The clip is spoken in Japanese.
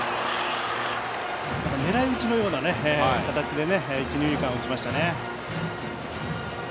狙い打ちのような形で一、二塁間を打ちましたね。